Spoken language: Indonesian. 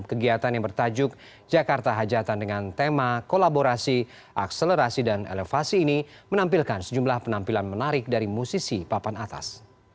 kegiatan yang bertajuk jakarta hajatan dengan tema kolaborasi akselerasi dan elevasi ini menampilkan sejumlah penampilan menarik dari musisi papan atas